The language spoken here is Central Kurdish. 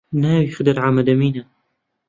ناوی خدر حەمەدەمینە